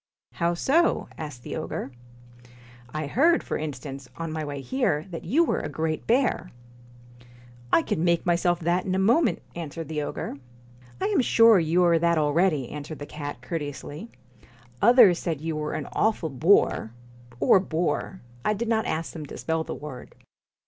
* How so ?' asked the ogre. ' I heard, for instance, on my way here, that you were a great bear.' * I can make myself that in a moment,' answered the ogre. 'I am sure you are that already,' answered the cat courteously. ' Others said you were an awful bore or boar I did not ask them to spell the word.'